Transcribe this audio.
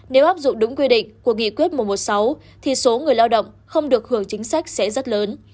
nếu áp dụng đúng quy định của nghị quyết một trăm một mươi sáu thì số người lao động không được hưởng chính sách sẽ rất lớn